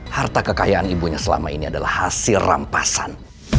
harta kekayaan ibunya selama ini adalah hasil rampasan